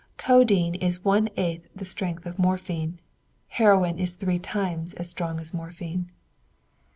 Codeine is one eighth the strength of morphine; heroin is three times as strong as morphine.